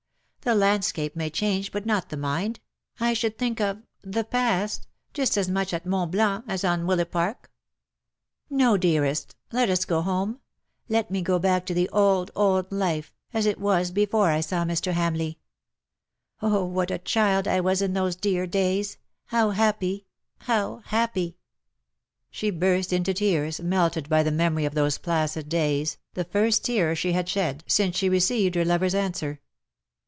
The landscape may change but not the mind — I should think of — the past — just as much on Mont Blanc as on Willapark. No, dearest, let us go home; let me go back to the old, old life, as it was before I saw Mr. Hamleigh. Oh, what a child I was in those dear days, how happy, how happy.^^ She burst into tears, melted bv the memory of those placid days, the first tears she had shed since she received her lover's answer.